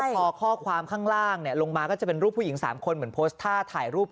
แล้วก็พอข้อความข้างล่างลงมาก็จะเป็นรูปผู้หญิง๓คนเหมือนพโตสเตอร์